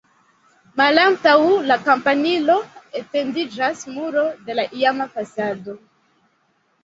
Malantaŭ la kampanilo etendiĝas muro de la iama fasado.